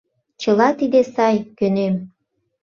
— Чыла тиде сай, кӧнем.